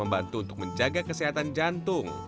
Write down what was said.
dan membantu untuk menjaga kesehatan jantung